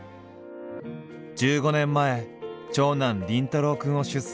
１５年前長男凛太郎くんを出産。